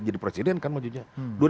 jadi presiden kan majunya